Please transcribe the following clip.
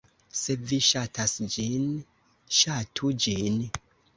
Se vi ŝatas ĝin, ŝatu ĝin.